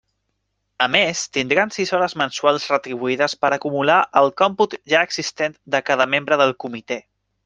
A més, tindran sis hores mensuals retribuïdes per acumular al còmput ja existent de cada membre del comitè.